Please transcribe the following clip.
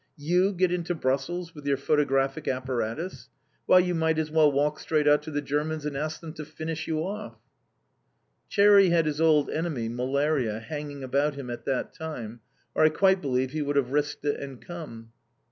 "You get into Brussels with your photographic apparatus! Why, you might as well walk straight out to the Germans and ask them to finish you off!" "Cherry" had his old enemy, malaria, hanging about him at that time, or I quite believe he would have risked it and come.